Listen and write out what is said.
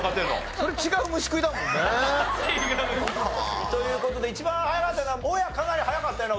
それ違う虫くいだもんね。という事で一番早かったのは大家かなり早かったよな？